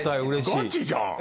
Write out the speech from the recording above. うれしい。